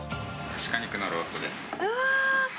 鹿肉のローストです。